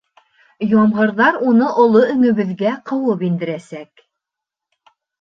Ямғырҙар уны оло өңөбөҙгә ҡыуып индерәсәк.